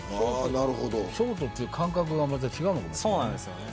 ショートという感覚が違うのかもしれないね。